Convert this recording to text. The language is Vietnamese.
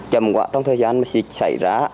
chậm quá trong thời gian mà xịt xảy ra